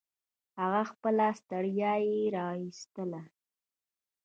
هغه خپله ستړيا يې و ايستله.